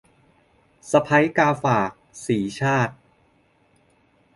สะใภ้กาฝาก - สีชาติ